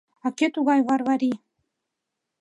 — А кӧ тугай Варвари?